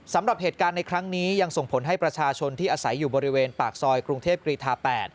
สำหรับเหตุการณ์ในครั้งนี้ยังส่งผลให้ประชาชนที่อาศัยอยู่บริเวณปากซอยกรุงเทพกรีธา๘